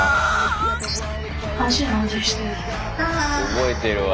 覚えてるわ。